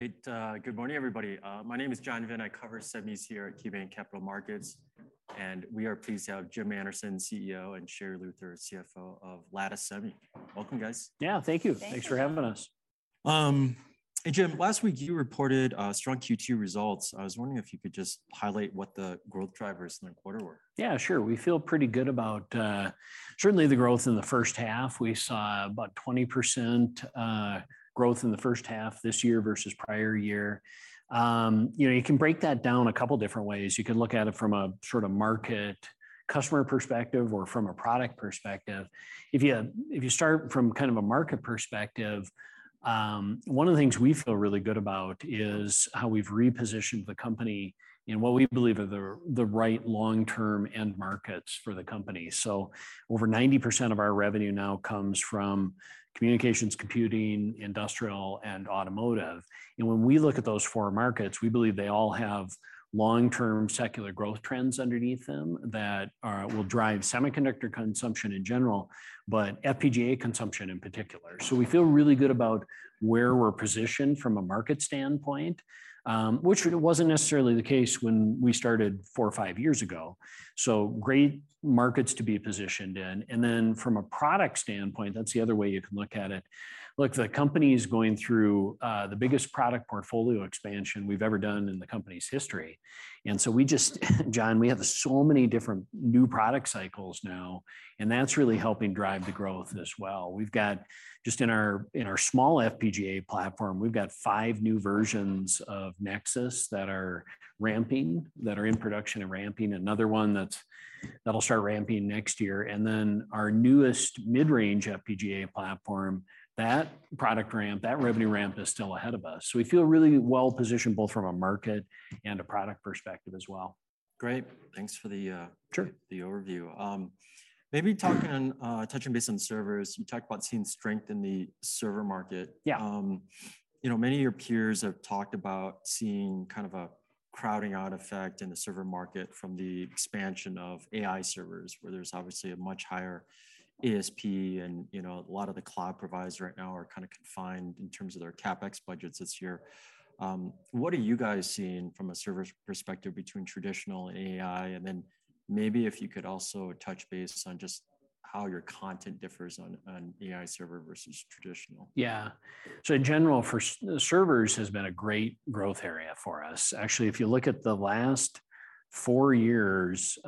Great, good morning, everybody. My name is John Vinh. I cover semis here at KeyBanc Capital Markets, and we are pleased to have Jim Anderson, CEO, and Sherri Luther, CFO of Lattice Semi. Welcome, guys! Yeah, thank you. Thanks. Thanks for having us. Hey, Jim, last week you reported strong Q2 results. I was wondering if you could just highlight what the growth drivers in the quarter were. Yeah, sure. We feel pretty good about certainly the growth in the first half. We saw about 20% growth in the first half this year versus prior year. You know, you can break that down a couple of different ways. You can look at it from a sort of market, customer perspective, or from a product perspective. If you, if you start from kind of a market perspective, one of the things we feel really good about is how we've repositioned the company in what we believe are the, the right long-term end markets for the company. Over 90% of our revenue now comes from communications, computing, industrial, and automotive. When we look at those four markets, we believe they all have long-term secular growth trends underneath them that will drive semiconductor consumption in general, but FPGA consumption in particular. We feel really good about where we're positioned from a market standpoint, which wasn't necessarily the case when we started four or five years ago. Great markets to be positioned in. From a product standpoint, that's the other way you can look at it. Look, the company's going through the biggest product portfolio expansion we've ever done in the company's history, John, we have so many different new product cycles now, and that's really helping drive the growth as well. We've got just in our, in our small FPGA platform, we've got five new versions of Nexus that are ramping, that are in production and ramping. Another one that's, that'll start ramping next year. Our newest mid-range FPGA platform, that product ramp, that revenue ramp is still ahead of us. We feel really well positioned, both from a market and a product perspective as well. Great, thanks for the. Sure... the overview. Maybe talking, touching base on servers, you talked about seeing strength in the server market. Yeah. You know, many of your peers have talked about seeing kind of a crowding out effect in the server market from the expansion of AI servers, where there's obviously a much higher ASP. You know, a lot of the cloud providers right now are kind of confined in terms of their CapEx budgets this year. What are you guys seeing from a server's perspective between traditional AI and then maybe if you could also touch base on just how your content differs on AI server versus traditional? Yeah. In general, for servers has been a great growth area for us. Actually, if you look at the last four years,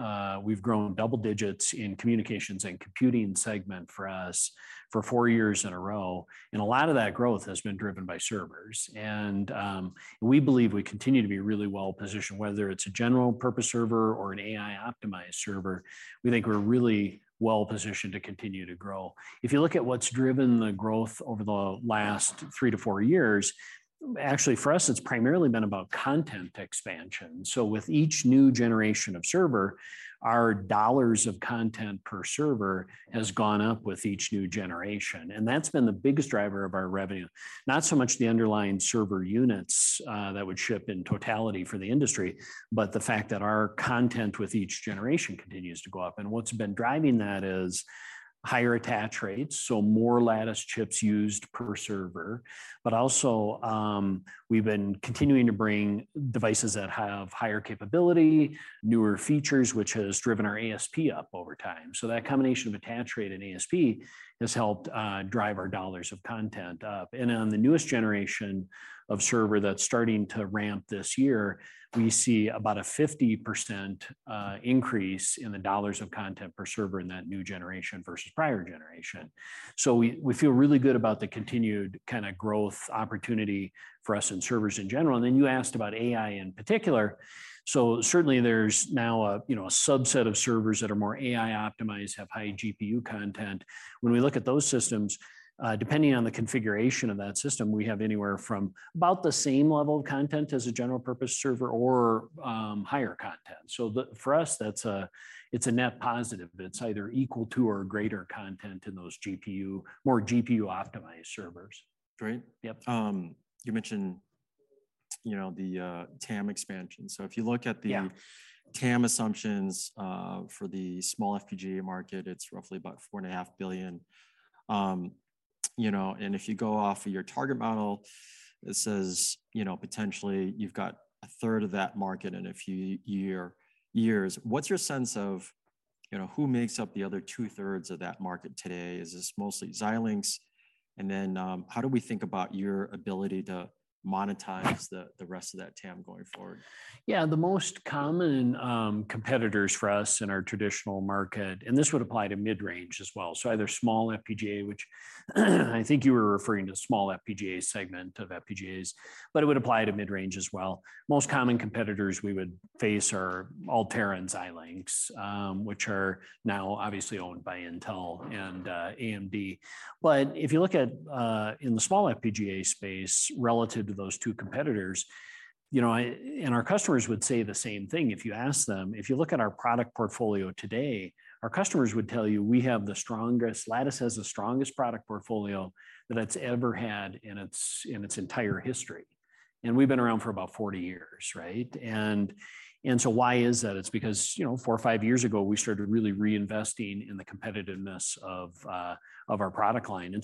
we've grown double digits in communications and computing segment for us for four years in a row. A lot of that growth has been driven by servers. We believe we continue to be really well positioned, whether it's a general-purpose server or an AI-optimized server, we think we're really well positioned to continue to grow. If you look at what's driven the growth over the last three to four years, actually, for us, it's primarily been about content expansion. With each new generation of server, our dollars of content per server has gone up with each new generation, and that's been the biggest driver of our revenue. Not so much the underlying server units, that would ship in totality for the industry, but the fact that our content with each generation continues to go up. What's been driving that is higher attach rates, so more Lattice chips used per server. Also, we've been continuing to bring devices that have higher capability, newer features, which has driven our ASP up over time. That combination of attach rate and ASP has helped drive our dollars of content up. On the newest generation of server that's starting to ramp this year, we see about a 50% increase in the dollars of content per server in that new generation versus prior generation. We, we feel really good about the continued kind of growth opportunity for us in servers in general. Then you asked about AI in particular. Certainly, there's now a, you know, a subset of servers that are more AI-optimized, have high GPU content. When we look at those systems, depending on the configuration of that system, we have anywhere from about the same level of content as a general-purpose server or higher content. For us, that's a, it's a net positive, but it's either equal to or greater content in those GPU, more GPU-optimized servers. Great. Yep. You mentioned, you know, the TAM expansion. If you look at the. Yeah... TAM assumptions, for the small FPGA market, it's roughly about $4.5 billion. You know, if you go off of your target model, it says, you know, potentially you've got a third of that market in a few year, years. What's your sense of, you know, who makes up the other 2/3 of that market today? Is this mostly Xilinx? Then, how do we think about your ability to monetize the rest of that TAM going forward? Yeah, the most common competitors for us in our traditional market, and this would apply to mid-range as well, so either small FPGA, which, I think you were referring to small FPGA segment of FPGAs, but it would apply to mid-range as well. Most common competitors we would face are Altera and Xilinx, which are now obviously owned by Intel and AMD. If you look at in the small FPGA space relative to those two competitors, you know, and our customers would say the same thing if you ask them. If you look at our product portfolio today, our customers would tell you Lattice has the strongest product portfolio that it's ever had in its, in its entire history, and we've been around for about 40 years, right? Why is that? It's because, you know, four or five years ago, we started really reinvesting in the competitiveness of our product line.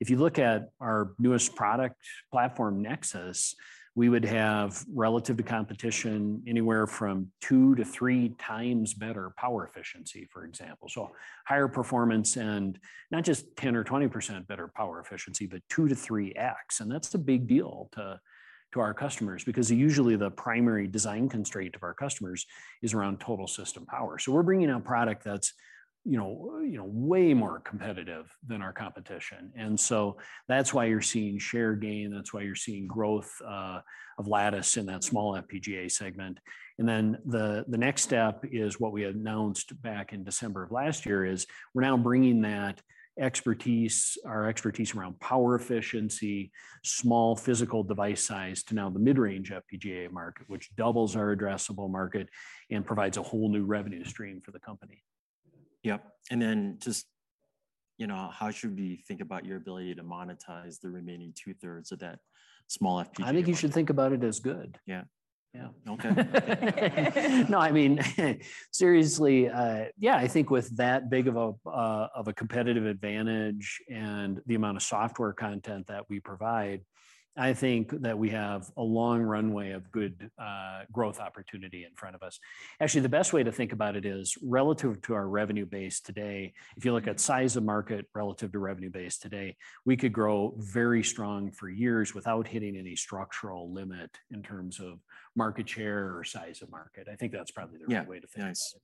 If you look at our newest product, Lattice Nexus, we would have, relative to competition, anywhere from 2x-3x better power efficiency, for example. Higher performance and not just 10% or 20% better power efficiency, bu 2x-3x, and that's a big deal to our customers because usually the primary design constraint of our customers is around total system power. We're bringing out a product that's, you know, you know, way more competitive than our competition, and so that's why you're seeing share gain, that's why you're seeing growth of Lattice in that small FPGA segment. Then the next step is what we announced back in December of last year, is we're now bringing that expertise, our expertise around power efficiency, small physical device size to now the mid-range FPGA market, which doubles our addressable market and provides a whole new revenue stream for the company. Yep, just, you know, how should we think about your ability to monetize the remaining 2/3 of that small FPGA? I think you should think about it as good. Yeah. Yeah. Okay. No, I mean, seriously, yeah, I think with that big of a competitive advantage and the amount of software content that we provide, I think that we have a long runway of good growth opportunity in front of us. Actually, the best way to think about it is relative to our revenue base today, if you look at size of market relative to revenue base today, we could grow very strong for years without hitting any structural limit in terms of market share or size of market. I think that's probably the right way to think about it.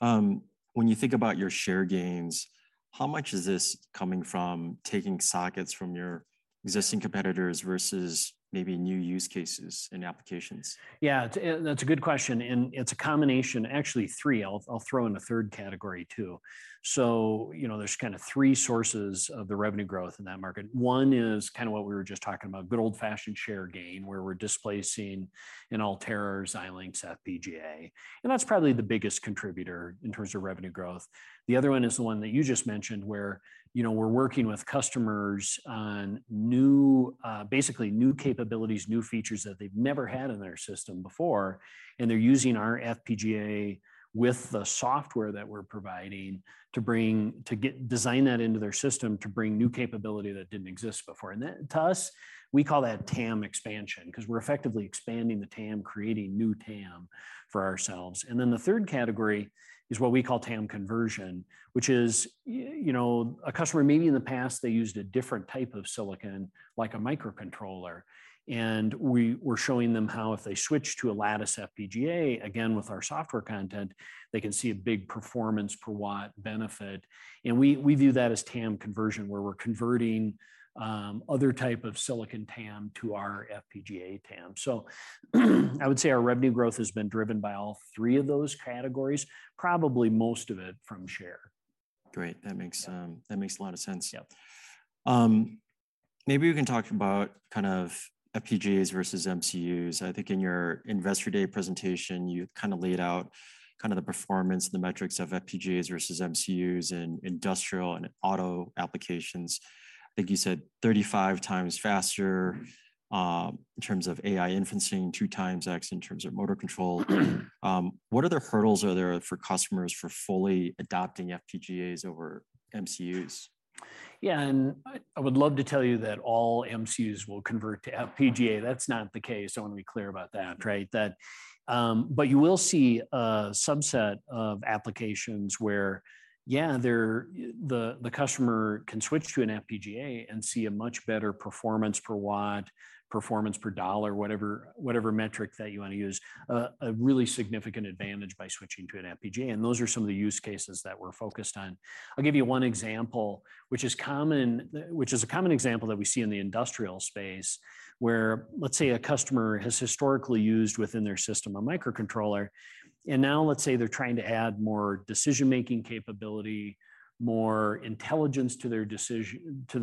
Yeah, nice. When you think about your share gains, how much is this coming from taking sockets from your existing competitors versus maybe new use cases and applications? Yeah, it... That's a good question, and it's a combination, actually, three. I'll, I'll throw in a third category, too. You know, there's kind of three sources of the revenue growth in that market. One is kind of what we were just talking about, good old-fashioned share gain, where we're displacing an Altera, Xilinx, FPGA, and that's probably the biggest contributor in terms of revenue growth. The other one is the one that you just mentioned, where, you know, we're working with customers on new, basically new capabilities, new features that they've never had in their system before, and they're using our FPGA with the software that we're providing to bring, to get, design that into their system to bring new capability that didn't exist before. Then, to us, we call that TAM expansion because we're effectively expanding the TAM, creating new TAM for ourselves. Then the third category is what we call TAM conversion, which is you know, a customer maybe in the past, they used a different type of silicon, like a microcontroller, and we're showing them how if they switch to a Lattice FPGA, again, with our software content, they can see a big performance per watt benefit. We view that as TAM conversion, where we're converting other type of silicon TAM to our FPGA TAM. I would say our revenue growth has been driven by all three of those categories, probably most of it from share. Great, that makes, that makes a lot of sense. Yep. Maybe we can talk about kind of FPGAs versus MCUs. I think in your Investor Day presentation, you kind of laid out kind of the performance and the metrics of FPGAs versus MCUs in industrial and auto applications. I think you said 35x faster in terms of AI inferencing, 2x in terms of motor control. What other hurdles are there for customers for fully adopting FPGAs over MCUs? I would love to tell you that all MCUs will convert to FPGA. That's not the case. I want to be clear about that, right? You will see a subset of applications where, yeah, the, the, the customer can switch to an FPGA and see a much better performance per watt, performance per dollar, whatever metric that you want to use, a really significant advantage by switching to an FPGA, and those are some of the use cases that we're focused on. I'll give you one example, which is common, which is a common example that we see in the industrial space, where, let's say, a customer has historically used within their system a microcontroller, and now let's say they're trying to add more decision-making capability, more intelligence to their decision- to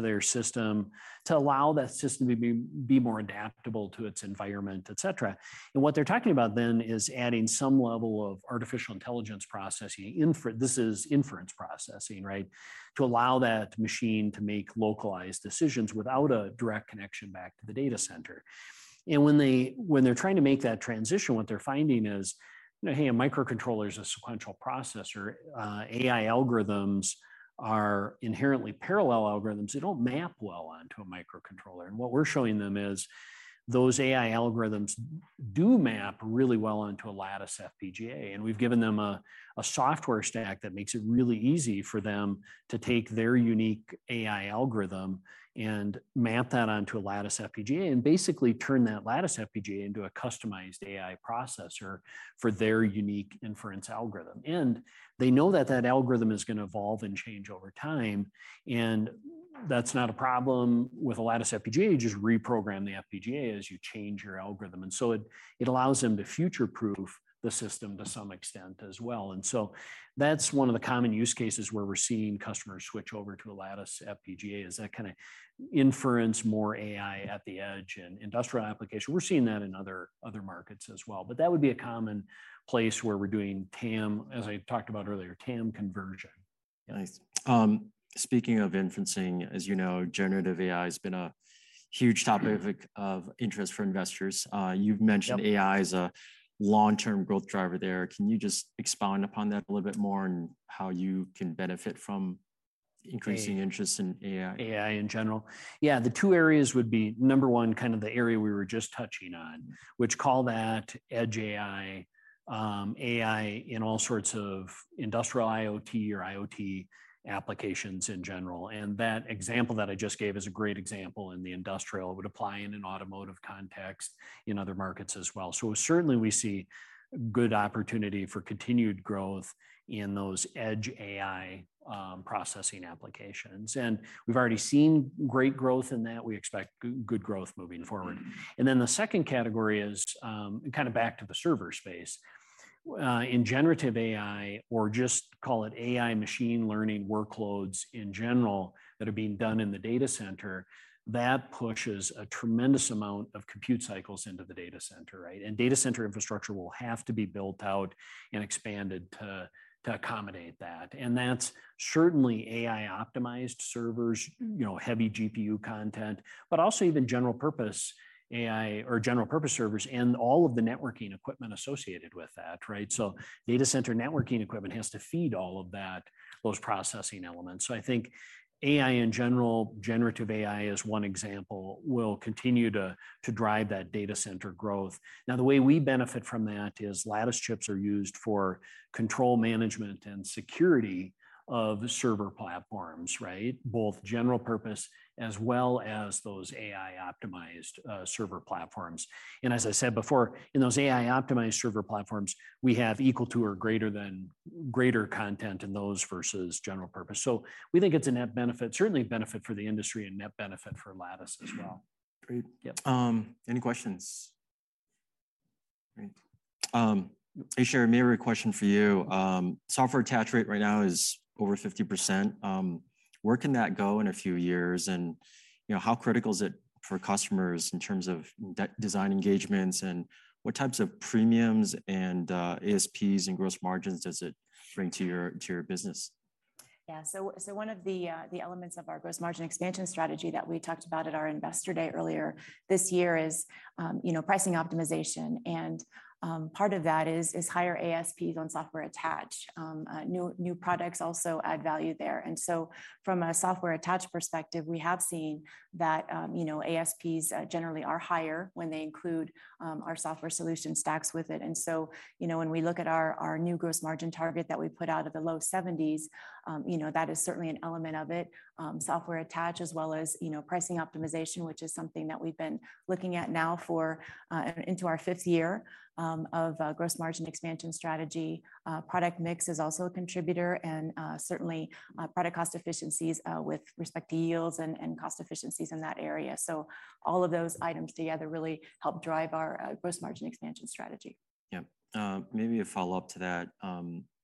their system, to allow that system to be more adaptable to its environment, et cetera. What they're talking about then is adding some level of artificial intelligence processing, this is inference processing, right? To allow that machine to make localized decisions without a direct connection back to the data center. When they, when they're trying to make that transition, what they're finding is, you know, hey, a microcontroller is a sequential processor. AI algorithms are inherently parallel algorithms. They don't map well onto a microcontroller. What we're showing them is, those AI algorithms do map really well onto a Lattice FPGA, and we've given them a software stack that makes it really easy for them to take their unique AI algorithm and map that onto a Lattice FPGA, and basically turn that Lattice FPGA into a customized AI processor for their unique inference algorithm. They know that that algorithm is gonna evolve and change over time, that's not a problem with a Lattice FPGA. You just reprogram the FPGA as you change your algorithm, so it allows them to future-proof the system to some extent as well. So that's one of the common use cases where we're seeing customers switch over to a Lattice FPGA, is that kinda inference, more AI at the edge, and industrial application. We're seeing that in other, other markets as well, but that would be a common place where we're doing TAM, as I talked about earlier, TAM conversion. Nice. Speaking of inferencing, as you know, generative AI has been a huge topic of, of interest for investors. You've mentioned... Yep AI as a long-term growth driver there. Can you just expound upon that a little bit more, and how you can benefit from increasing interest in AI? AI in general? Yeah, the two areas would be, number one, kind of the area we were just touching on, which call that Edge AI, AI in all sorts of Industrial IoT or IoT applications in general. That example that I just gave is a great example in the industrial, would apply in an automotive context, in other markets as well. Certainly, we see good opportunity for continued growth in those Edge AI, processing applications, and we've already seen great growth in that. We expect good growth moving forward. Then the second category is, kind of back to the server space. In generative AI, or just call it AI machine learning workloads in general that are being done in the data center, that pushes a tremendous amount of compute cycles into the data center, right? Data center infrastructure will have to be built out and expanded to, to accommodate that, and that's certainly AI-optimized servers, you know, heavy GPU content, but also even general-purpose AI or general-purpose servers, and all of the networking equipment associated with that, right? Data center networking equipment has to feed all of that, those processing elements. I think AI in general, generative AI is one example, will continue to drive that data center growth. Now, the way we benefit from that is Lattice chips are used for control management and security of server platforms, right? Both general purpose as well as those AI-optimized server platforms. As I said before, in those AI-optimized server platforms, we have equal to or greater than greater content in those versus general purpose. We think it's a net benefit, certainly a benefit for the industry and net benefit for Lattice as well. Great. Yep. Any questions? Great. Hey, Sherri, maybe a question for you. Software attach rate right now is over 50%. Where can that go in a few years, and, you know, how critical is it for customers in terms of design engagements, and what types of premiums and ASPs and gross margins does it bring to your, to your business? Yeah, so, so one of the elements of our gross margin expansion strategy that we talked about at our Investor Day earlier this year is, you know, pricing optimization, and part of that is, is higher ASPs on software attach. New products also add value there. From a software attach perspective, we have seen that, you know, ASPs generally are higher when they include our software solution stacks with it. You know, when we look at our, our new gross margin target that we put out at the low 70s, you know, that is certainly an element of it. Software attach, as well as, you know, pricing optimization, which is something that we've been looking at now for into our fifth year of gross margin expansion strategy. Product mix is also a contributor, and certainly, product cost efficiencies, with respect to yields and, and cost efficiencies in that area. All of those items together really help drive our gross margin expansion strategy. Yeah. Maybe a follow-up to that.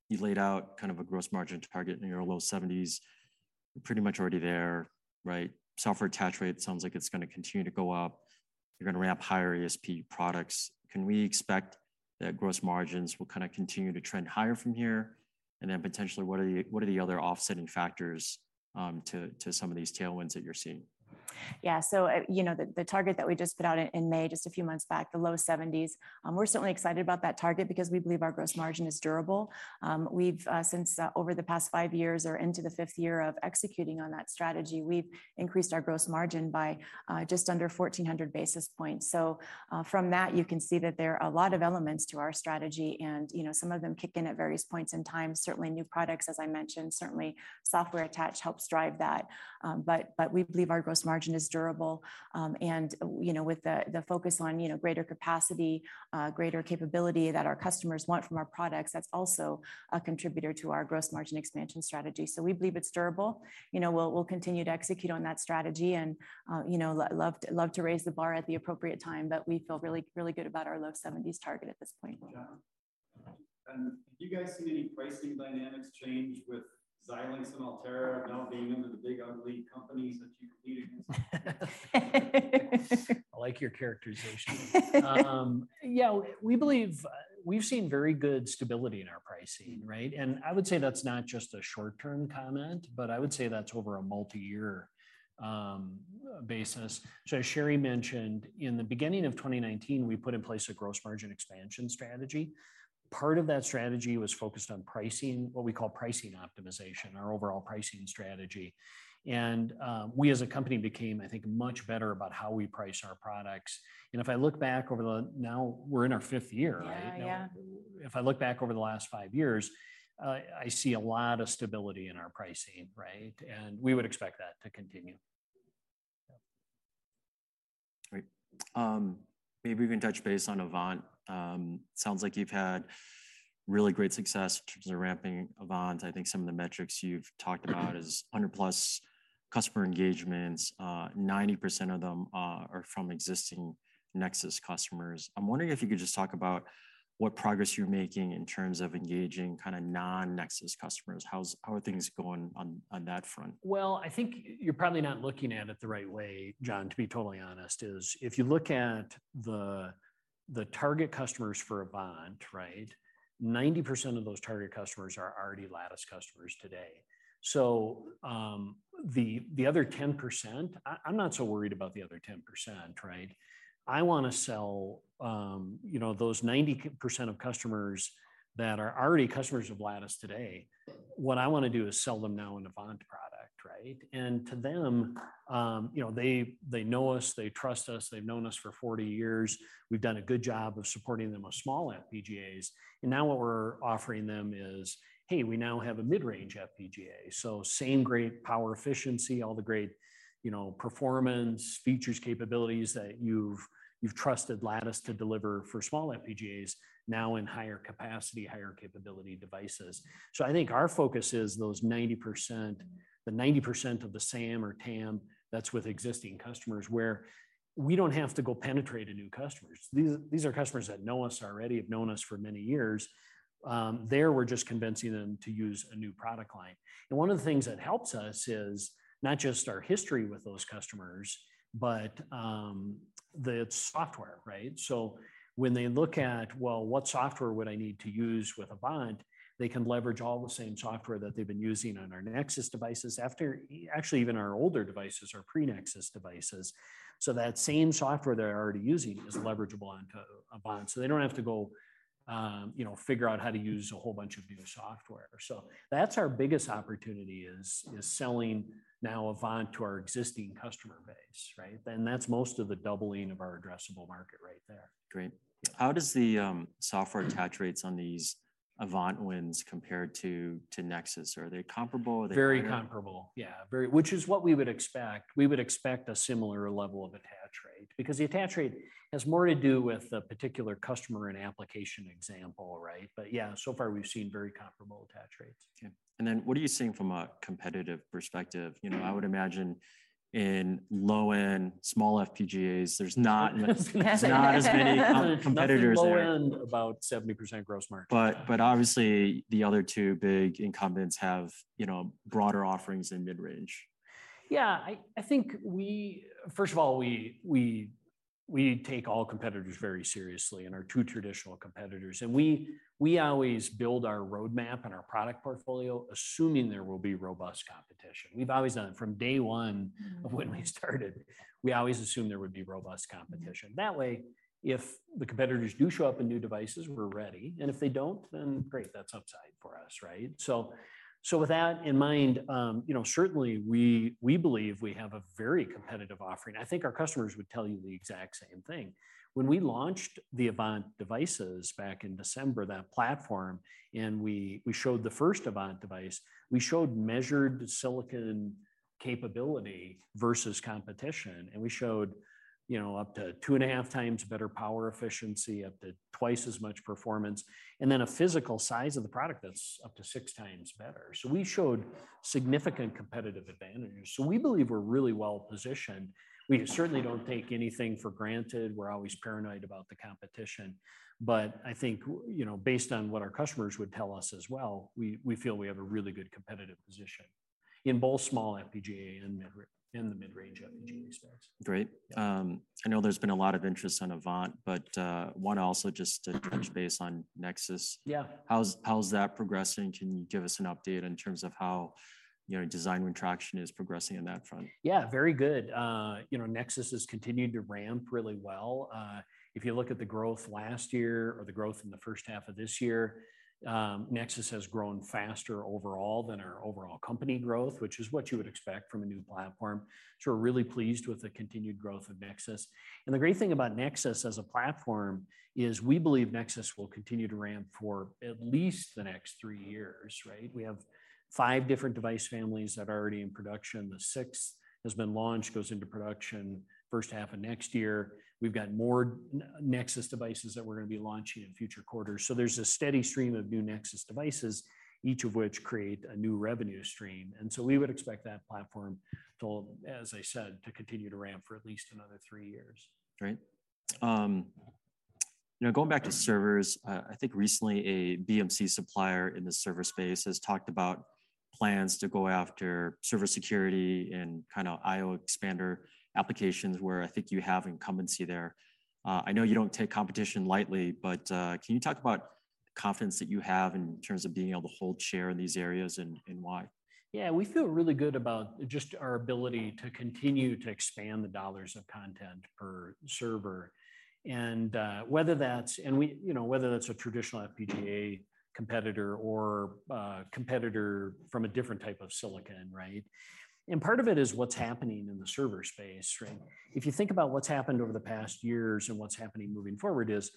You've laid out kind of a gross margin target in your low 70s. Pretty much already there, right? Software attach rate sounds like it's gonna continue to go up. You're gonna ramp higher ASP products. Can we expect that gross margins will kind of continue to trend higher from here? Then potentially, what are the other offsetting factors to some of these tailwinds that you're seeing? Yeah, so, you know, the target that we just put out in May, just a few months back, the low 70s, we're certainly excited about that target because we believe our gross margin is durable. We've since over the past five years or into the fifth year of executing on that strategy, we've increased our gross margin by just under 1,400 basis points. From that, you can see that there are a lot of elements to our strategy, and, you know, some of them kick in at various points in time. Certainly, new products, as I mentioned, certainly software attach helps drive that. But we believe our gross margin is durable. You know, with the focus on, you know, greater capacity, greater capability that our customers want from our products, that's also a contributor to our gross margin expansion strategy. We believe it's durable. You know, we'll continue to execute on that strategy and, you know, love to, love to raise the bar at the appropriate time, but we feel really, really good about our low 70s target at this point. Yeah. Have you guys seen any pricing dynamics change with Xilinx and Altera now being under the big, ugly companies that you're competing with? I like your characterization. Yeah, we believe, we've seen very good stability in our pricing, right? I would say that's not just a short-term comment, but I would say that's over a multiyear basis. As Sherri mentioned, in the beginning of 2019, we put in place a gross margin expansion strategy. Part of that strategy was focused on pricing, what we call pricing optimization, our overall pricing strategy. We, as a company, became much better about how we price our products. If I look back over the... Now we're in our fifth year, right? Yeah, yeah. If I look back over the last five years, I see a lot of stability in our pricing, right? We would expect that to continue. Great. Maybe we can touch base on Avant. Sounds like you've had really great success in terms of ramping Avant. I think some of the metrics you've talked about is 100+ customer engagements. 90% of them are from existing Nexus customers. I'm wondering if you could just talk about what progress you're making in terms of engaging kind of non-Nexus customers. How are things going on, on that front? Well, I think you're probably not looking at it the right way, John, to be totally honest, is if you look at the, the target customers for Avant, right? 90% of those target customers are already Lattice customers today. The, the other 10%, I, I'm not so worried about the other 10%, right? I want to sell, you know, those 90% of customers that are already customers of Lattice today. What I want to do is sell them now an Avant product, right? To them, you know, they, they know us, they trust us, they've known us for 40 years. We've done a good job of supporting them with small FPGAs, and now what we're offering them is, "Hey, we now have a mid-range FPGA." Same great power efficiency, all the great, you know, performance, features, capabilities that you've, you've trusted Lattice to deliver for small FPGAs, now in higher capacity, higher capability devices. I think our focus is those 90%, the 90% of the SAM or TAM that's with existing customers, where we don't have to go penetrate a new customers. These, these are customers that know us already, have known us for many years. There, we're just convincing them to use a new product line. One of the things that helps us is not just our history with those customers, but, the software, right? When they look at, well, what software would I need to use with Avant? They can leverage all the same software that they've been using on our Nexus devices, actually, even our older devices or pre-Nexus devices. That same software they're already using is leverageable onto Avant, so they don't have to go, you know, figure out how to use a whole bunch of new software. That's our biggest opportunity is, is selling now Avant to our existing customer base, right? That's most of the doubling of our addressable market right there. Great. How does the software attach rates on these Avant wins compare to Nexus? Are they comparable? Are they- Very comparable, yeah. Very- which is what we would expect. We would expect a similar level of attach rate, because the attach rate has more to do with the particular customer and application example, right? Yeah, so far, we've seen very comparable attach rates. Okay. What are you seeing from a competitive perspective? You know, I would imagine in low-end, small FPGAs, there's not as many competitors there. Nothing low-end, about 70% gross margin. Obviously, the other two big incumbents have, you know, broader offerings in mid-range. Yeah, I, I think first of all, we take all competitors very seriously and are two traditional competitors. We, we always build our roadmap and our product portfolio, assuming there will be robust competition. We've always done it from day one of when we started. We always assumed there would be robust competition. That way, if the competitors do show up in new devices, we're ready, and if they don't, then great, that's upside for us, right? With that in mind, you know, certainly, we, we believe we have a very competitive offering. I think our customers would tell you the exact same thing. When we launched the Avant devices back in December, that platform, and we, we showed the first Avant device, we showed measured silicon capability versus competition, and we showed, you know, up to 2.5x better power efficiency, up to 2x as much performance, and then a physical size of the product that's up to 6x better. We showed significant competitive advantages. We believe we're really well-positioned. We certainly don't take anything for granted. We're always paranoid about the competition, but I think, you know, based on what our customers would tell us as well, we feel we have a really good competitive position in both small FPGA and mid-range, in the mid-range FPGA respects. Great. I know there's been a lot of interest on Avant, but want to also just to touch base on Nexus. Yeah. How's, how's that progressing? Can you give us an update in terms of how, you know, design traction is progressing on that front? Yeah, very good. You know, Nexus has continued to ramp really well. If you look at the growth last year or the growth in the 1st half of this year, Nexus has grown faster overall than our overall company growth, which is what you would expect from a new platform. We're really pleased with the continued growth of Nexus. The great thing about Nexus as a platform is we believe Nexus will continue to ramp for at least the next three years, right? We have five different device families that are already in production. The 6th has been launched, goes into production first half of next year. We've got more Nexus devices that we're gonna be launching in future quarters. There's a steady stream of new Nexus devices, each of which create a new revenue stream. We would expect that platform to, as I said, to continue to ramp for at least another three years. Great. You know, going back to servers, I think recently a BMC supplier in the server space has talked about plans to go after server security and kind of I/O expander applications, where I think you have incumbency there. I know you don't take competition lightly, can you talk about confidence that you have in terms of being able to hold share in these areas and, and why? We feel really good about just our ability to continue to expand the dollars of content per server. We, you know, whether that's a traditional FPGA competitor or competitor from a different type of silicon, right? Part of it is what's happening in the server space, right? If you think about what's happened over the past years and what's happening moving forward is,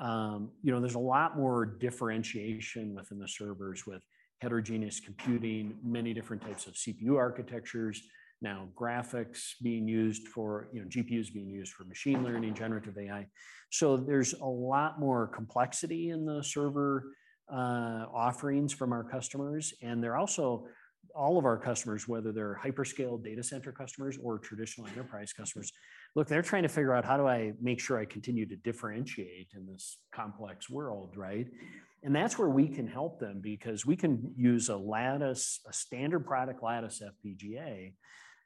you know, there's a lot more differentiation within the servers with heterogeneous computing, many different types of CPU architectures, now graphics being used for, you know, GPUs being used for machine learning, generative AI. There's a lot more complexity in the server offerings from our customers, and they're also all of our customers, whether they're hyperscale data center customers or traditional enterprise customers. Look, they're trying to figure out: how do I make sure I continue to differentiate in this complex world, right? And that's where we can help them because we can use a Lattice, a standard product Lattice FPGA,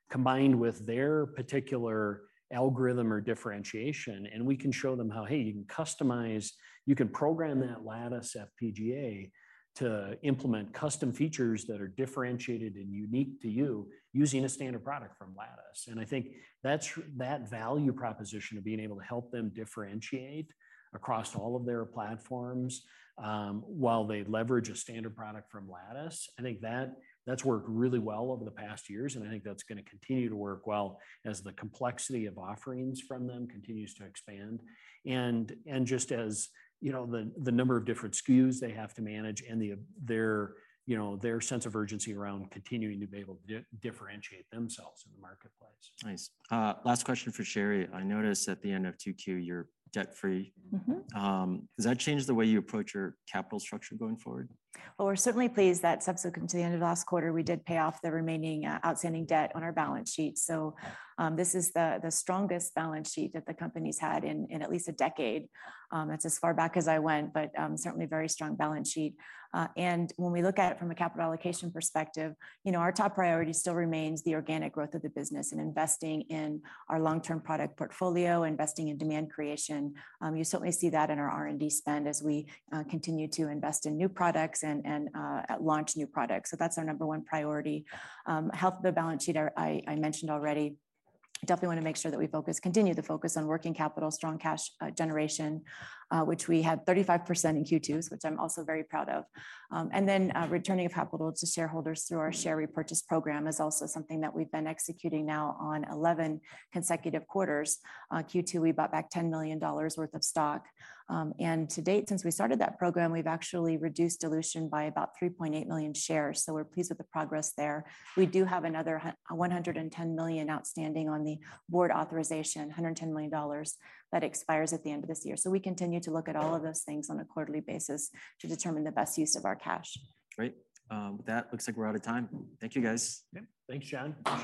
combined with their particular algorithm or differentiation, and we can show them how, hey, you can customize-- you can program that Lattice FPGA to implement custom features that are differentiated and unique to you using a standard product from Lattice. And I think that's-- that value proposition of being able to help them differentiate across all of their platforms, while they leverage a standard product from Lattice, I think that, that's worked really well over the past years, and I think that's gonna continue to work well as the complexity of offerings from them continues to expand. Just as, you know, the, the number of different SKUs they have to manage and their, you know, their sense of urgency around continuing to be able to differentiate themselves in the marketplace. Nice. Last question for Sherri. I noticed at the end of Q2, you're debt-free. Mm-hmm. Has that changed the way you approach your capital structure going forward? Well, we're certainly pleased that subsequent to the end of last quarter, we did pay off the remaining outstanding debt on our balance sheet. This is the strongest balance sheet that the company's had in at least a decade. That's as far back as I went, certainly a very strong balance sheet. When we look at it from a capital allocation perspective, you know, our top priority still remains the organic growth of the business and investing in our long-term product portfolio, investing in demand creation. You certainly see that in our R&D spend as we continue to invest in new products and launch new products. That's our number one priority. Health of the balance sheet, I mentioned already. Definitely want to make sure that we focus-- continue to focus on working capital, strong cash, generation, which we had 35% in Q2, which I'm also very proud of. Returning of capital to shareholders through our share repurchase program is also something that we've been executing now on 11 consecutive quarters. Q2, we bought back $10 million worth of stock. To date, since we started that program, we've actually reduced dilution by about 3.8 million shares, so we're pleased with the progress there. We do have another 110 million outstanding on the board authorization, $110 million, that expires at the end of this year. We continue to look at all of those things on a quarterly basis to determine the best use of our cash. Great. With that, looks like we're out of time. Thank you, guys. Yeah. Thanks, John.